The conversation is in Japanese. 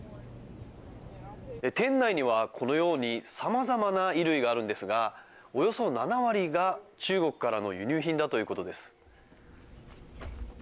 店内には、このようにさまざまな衣類があるんですがおよそ７割が中国からの輸入品だということです。